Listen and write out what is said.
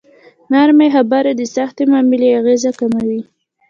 نرمې خبرې د سختې معاملې اغېز کموي.